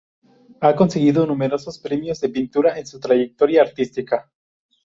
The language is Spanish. Ha conseguido numerosos premios de pintura en su trayectoria artística.